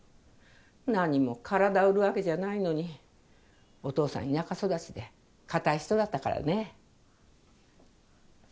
何も体を売るわけじゃないのにお父さん田舎育ちで固い人だったからね。